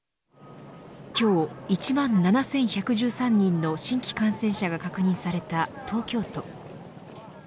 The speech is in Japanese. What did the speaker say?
今日、１万７１１３人の新規感染者が確認された東京都。